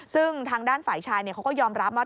ซึ่งทางด้านฝ่ายชายเขาก็ยอมรับว่า